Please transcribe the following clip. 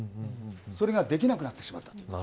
それができなくなってしまった。